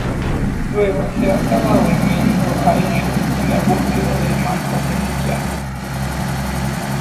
Luego se acaba uniendo a ellos en la búsqueda del manto celestial.